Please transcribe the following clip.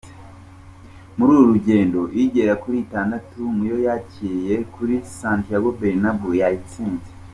Muri uru rugendo igera kuri itandatu mu yo yakiriye kuri Santiago Bernabeu yayitsinze.